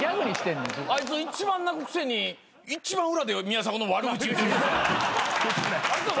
あいつ一番泣くくせに一番裏では宮迫の悪口言うて。